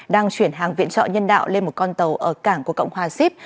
đang chuyển hàng viện trợ nhân đạo lên một con tàu ở cảng của cộng hòa sip